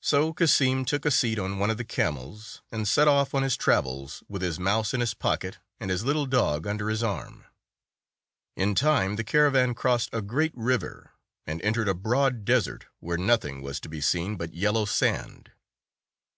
So Cassim took a seat on one of the camels, and set off on his travels, with his mouse in his pocket and his little dog under his arm. In time the caravan crossed a great river, and en tered a broad desert, where nothing was to be seen but yellow sand.